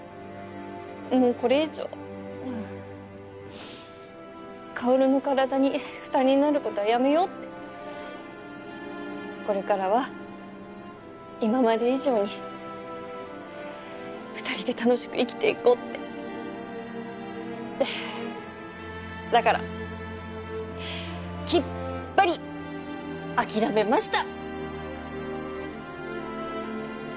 もうこれ以上薫の体に負担になることはやめようってこれからは今まで以上に二人で楽しく生きていこうってだからきっぱり諦めました